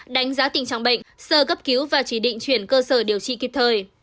đánh giá tình trạng bệnh sơ cấp cứu và chỉ định chuyển cơ sở điều trị kịp thời